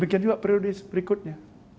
demikian juga prioritas berikutnya